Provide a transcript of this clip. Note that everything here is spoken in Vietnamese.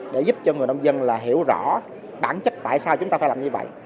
để giúp cho người nông dân hiểu rõ bản chất tại sao chúng ta phải làm như vậy